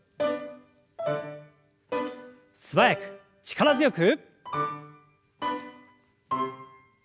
素早く力強く。